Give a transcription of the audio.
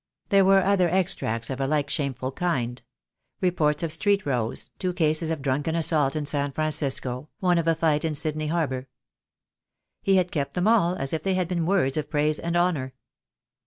There were other extracts of a like shameful kind — reports of street rows, two cases of drunken assault in San Francisco, one of a fight in Syd ney harbour. He had kept them all as if they had been words of praise and honour.